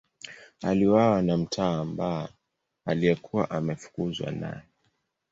Aliuawa na mtawa mbaya aliyekuwa ameafukuzwa naye.